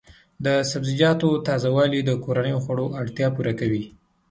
د سبزیجاتو تازه والي د کورنیو خوړو اړتیا پوره کوي.